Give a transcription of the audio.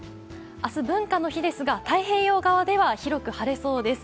明日、文化の日ですが太平洋側では広く晴れそうです。